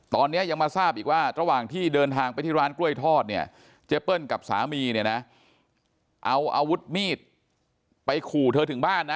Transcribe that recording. ตอนนี้ยังมาทราบอีกว่าระหว่างที่เดินทางไปที่ร้านกล้วยทอดเนี่ยเจเปิ้ลกับสามีเนี่ยนะเอาอาวุธมีดไปขู่เธอถึงบ้านนะ